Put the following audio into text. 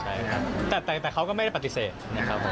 ใช่ครับแต่แต่เขาก็ไม่ได้ปฏิเสธนะครับผม